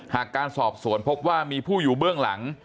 การสอบสวนพบว่ามีผู้อยู่เบื้องหลัง